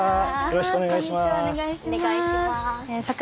よろしくお願いします。